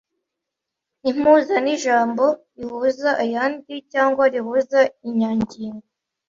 impuza ni ijambo rihuza ayandi cyangwa rihuza inyangingo.